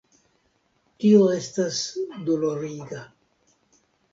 Tio estas doloriga.